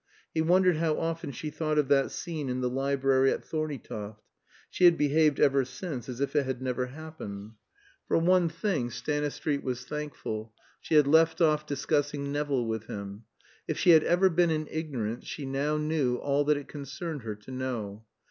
He wondered how often she thought of that scene in the library at Thorneytoft; she had behaved ever since as if it had never happened. For one thing Stanistreet was thankful she had left off discussing Nevill with him. If she had ever been in ignorance, she now knew all that it concerned her to know.